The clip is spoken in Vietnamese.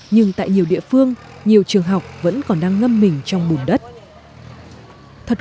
nhưng tại nhiều địa phương nhiều trường học vẫn còn đang ngâm mình trong bùn đất